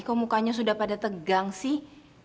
kok mukanya sudah pada tegang sih